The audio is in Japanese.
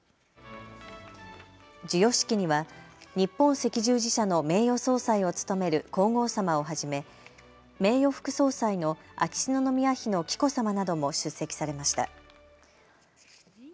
授与式には日本赤十字社の名誉総裁を務める皇后さまをはじめ、名誉副総裁の秋篠宮妃の紀子さまなども出席されました。